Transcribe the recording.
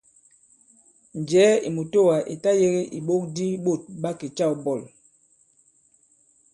Njɛ̀ɛ ì mùtoà ì ta-yēgē ìɓok di ɓôt ɓa kè-câw bɔ̂l.